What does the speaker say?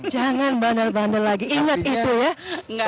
jangan bandel bandel lagi ingat itu ya